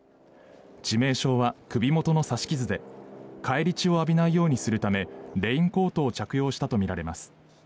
致命傷は首元の刺し傷で返り血を浴びないようにするためレインコートを着用したとみられます。